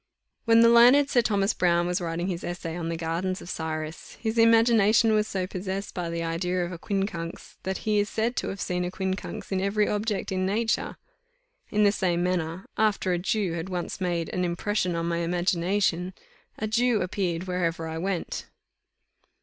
When the learned Sir Thomas Browne was writing his Essay on the Gardens of Cyrus, his imagination was so possessed by the idea of a quincunx, that he is said to have seen a quincunx in every object in nature. In the same manner, after a Jew had once made an impression on my imagination, a Jew appeared wherever I went.